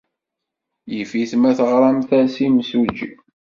Yif-it ma teɣramt-as i yimsujji.